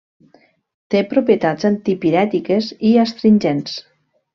Té propietats antipirètiques i astringents.